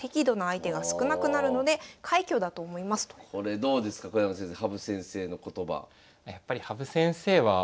これどうですか小山先生羽生先生の言葉。